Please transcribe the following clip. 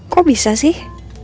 kok bisa sih